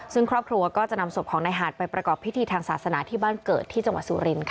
ซึ่งครอบครัวก็จะนำศพของนายหาดไปประกอบพิธีทางศาสนาที่บ้านเกิดที่จังหวัดสุรินทร์